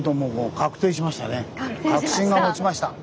確信が持ちました。